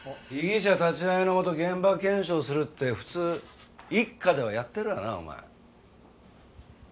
被疑者立ち会いのもと現場検証をするって普通一課ではやってるがなお前。